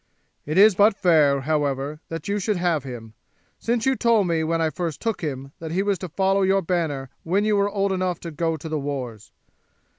It is but fair, however, that you should have him, since you told me when I first took him that he was to follow your banner when you were old enough to go to the wars.